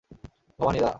Bhabani, দা।